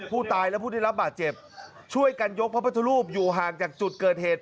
ผู้ตายและผู้ได้รับบาดเจ็บช่วยกันยกพระพุทธรูปอยู่ห่างจากจุดเกิดเหตุ